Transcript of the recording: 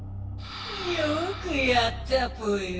よくやったぽよ！